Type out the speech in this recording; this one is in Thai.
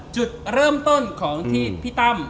จุดเริ่มต้นของที่พี่ตั้ม